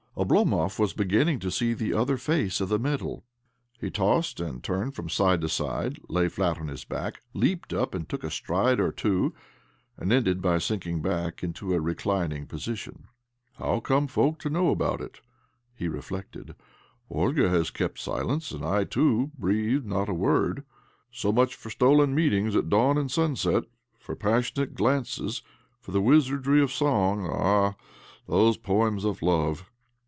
Oblomov was beginning to see the other face of the medal. He tossed and turned from side to side, lay flat on his back, leaped up and took a stride or two, and ended by sinking back into a reclining position. " iHow come folk to know about it? " he reflected. " Olga has kept silence, and I too have breathed not a word. So much for stolen meetings at dawn and sunset, for passionate glances, for the wizardry of song 1 Ah, those poems of love